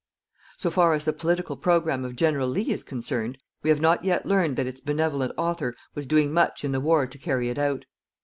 So far as the political program of General Lea is concerned, we have not yet learned that its benevolent author was doing much in the war to carry it out.